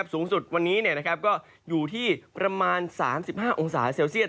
สูงสุดวันนี้ก็อยู่ที่ประมาณ๓๕องศาเซลเซียต